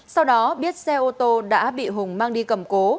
sau đó biết xe ô tô đã bị hùng mang đi cầm cố